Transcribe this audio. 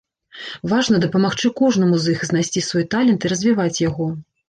Важна дапамагчы кожнаму з іх знайсці свой талент і развіваць яго.